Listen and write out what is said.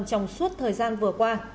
trong suốt thời gian vừa qua